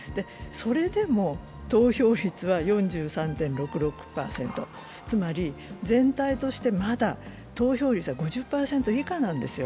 それでも投票率は４３．６６％、つまり全体としてまだ投票率は５０％以下なんですよ。